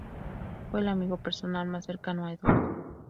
Fue el amigo personal más cercano a Eduardo.